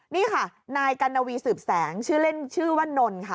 นี่ค่ะนายกัณวีสืบแสงชื่อเล่นชื่อว่านนค่ะ